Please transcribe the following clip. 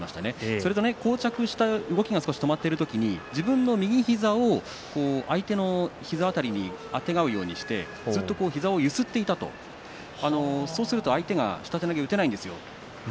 それと、こう着して動きが止まっている時に自分の右膝を相手の膝辺りにあてがうようにしてずっと膝を揺すっていたそうすると相手が下手投げを打てないんですよ。